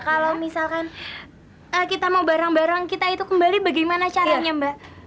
kalau misalkan kita mau barang barang kita itu kembali bagaimana caranya mbak